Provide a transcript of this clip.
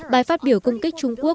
bài phát biểu công kích trung quốc